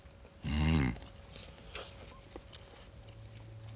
うん。